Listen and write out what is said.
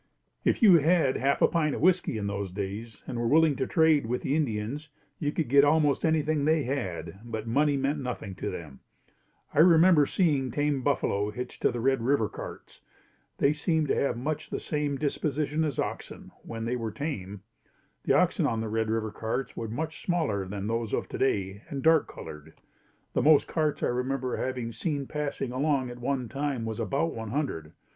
If you had half a pint of whiskey in those days, and were willing to trade with the Indians, you could get almost anything they had, but money meant nothing to them. I remember seeing tame buffalo hitched to the Red River carts. They seemed to have much the same disposition as oxen, when they were tame. The oxen on the Red River carts were much smaller than those of today and dark colored. The most carts I remember having seen passing along at one time, was about one hundred.